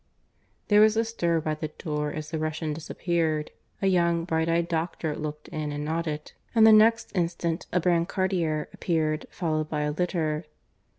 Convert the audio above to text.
There was a stir by the door as the Russian disappeared. A young, bright eyed doctor looked in and nodded, and the next instant a brancardier appeared, followed by a litter.